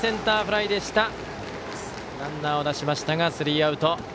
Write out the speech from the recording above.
ランナーを出しましたがスリーアウト。